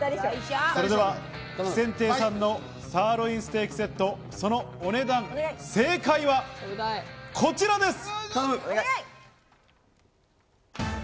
それでは喜扇亭さんのサーロインステーキセット、そのお値段、正解はこちらです。